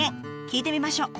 聞いてみましょう。